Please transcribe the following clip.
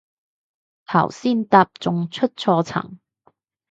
頭先搭仲出錯層